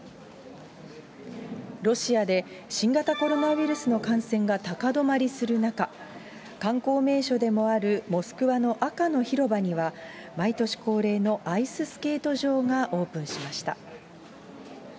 ロシアで新型コロナウイルスの感染が高止まりする中、観光名所でもあるモスクワの赤の広場には、毎年恒例のアイススケート場がオープンしました。